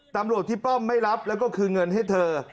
ตำรวจที่ป้อมไม่รับแล้วก็คืนเงินให้เธอ